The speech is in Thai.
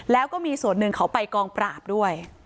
แล้วก็มีส่วนหนึ่งเขาไปกองปราบด้วย